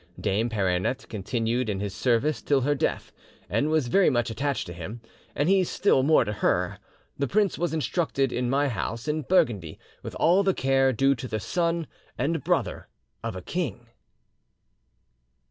Dame Peronete continued in his service till her death, and was very much attached to him, and he still more to her. The prince was instructed in my house in Burgundy, with all the care due to the son and brother of a king.